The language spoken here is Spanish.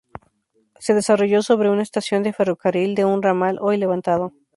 Se desarrolló sobre una estación de ferrocarril de un ramal hoy levantado.